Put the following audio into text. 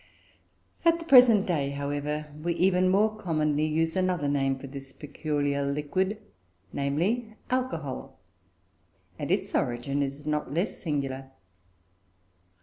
At the present day, however, we even more commonly use another name for this peculiar liquid namely, "alcohol," and its origin is not less singular.